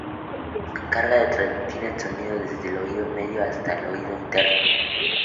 Se encarga de transmitir el sonido desde el oído medio hasta el oído interno.